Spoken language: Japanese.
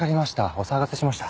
お騒がせしました。